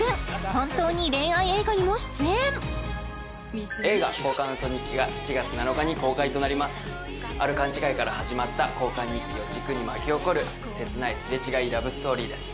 本当に恋愛映画にも出演映画「交換ウソ日記」が７月７日に公開となりますある勘違いから始まった交換日記を軸に巻き起こる切ないすれ違いラブストーリーです